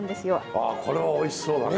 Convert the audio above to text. あこれはおいしそうだね。